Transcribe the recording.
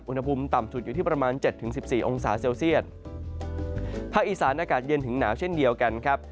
อุณหภูมิต่ำสุดอยู่ที่ประมาณเจ็ดถึงสิบสี่องศาเซลเซียตภาคอีสานอากาศเย็นถึงหนาวเช่นเดียวกันครับ